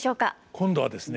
今度はですね